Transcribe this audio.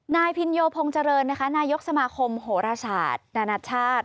นายพิญโยพงจริงนายกสมาคมโหระชาติดนตรชาติ